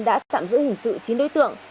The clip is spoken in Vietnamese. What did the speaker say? đã tạm giữ hình sự chín đối tượng